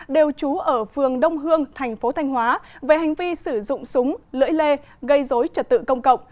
đều trú ở phường đông hương thành phố thanh hóa về hành vi sử dụng súng lưỡi lê gây dối trật tự công cộng